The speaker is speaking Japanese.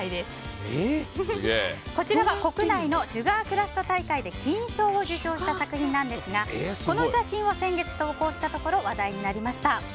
こちらは国内のシュガークラフト大会で金賞を受賞した作品なんですがこの写真を先月投稿したところ話題になりました。